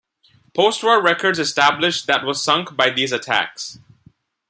Postwar records established that was sunk by these attacks.